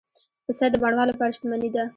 پسه د بڼوال لپاره شتمني ده.